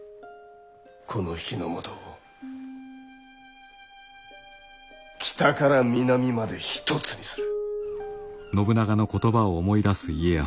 この日ノ本を北から南まで一つにする。